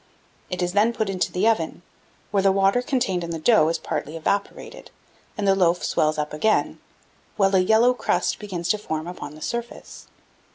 It is then put into the oven, where the water contained in the dough is partly evaporated, and the loaves swell up again, while a yellow crust begins to form upon the surface.